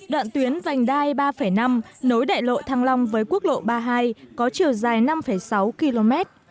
đoạn tuyến vành đai ba năm nối đại lộ thăng long với quốc lộ ba mươi hai có chiều dài năm sáu km